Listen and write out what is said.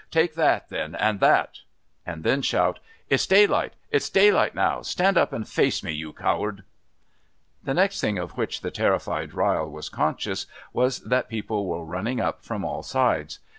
Take that, then, and that!" And then shout, "It's daylight! It's daylight now! Stand up and face me, you coward!" The next thing of which the terrified Ryle was conscious was that people were running up from all sides.